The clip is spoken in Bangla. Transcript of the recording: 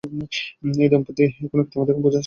এই দম্পতি এখন তাদের পিতামাতাকে বোঝানোর চেষ্টা করে।